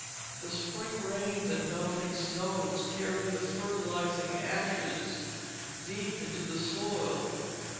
The spring rains and melting snows carried the fertilizing ashes deep into the soil.